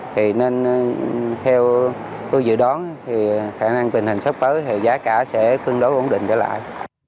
thì nên theo tôi dự đoán thì khả năng tình hình sắp tới thì giá cả sẽ tương đối ổn định trở lại